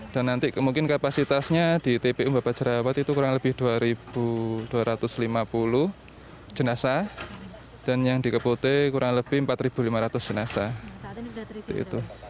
dan nanti mungkin kapasitasnya di tpu babat jerawat itu kurang lebih dua dua ratus lima puluh jenazah dan yang di keputih kurang lebih empat lima ratus jenazah